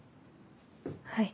はい。